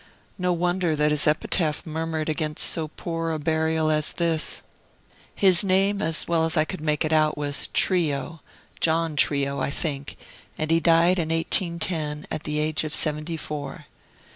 No wonder that his epitaph murmured against so poor a burial as this! His name, as well as I could make it out, was Treeo, John Treeo, I think, and he died in 1810, at the age of seventy four.